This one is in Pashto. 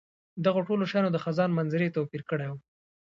دغو ټولو شیانو د خزان منظرې توپیر کړی وو.